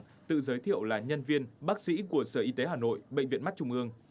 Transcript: tự giới thiệu là nhân viên bác sĩ của sở y tế hà nội bệnh viện mắt trung ương